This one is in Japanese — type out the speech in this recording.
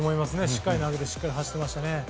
しっかり投げてしっかり走っていましたね。